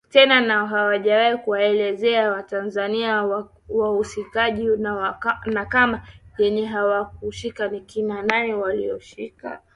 tena na hajawahi kuwaeleza Watanzania alihusikaje na kama yeye hakuhusika ni kina nani waliohusika